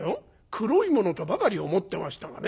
黒いものとばかり思ってましたがね。